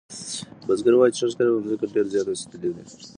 بزګر وایي چې سږکال یې په مځکه کې ډیر زیار ایستلی دی.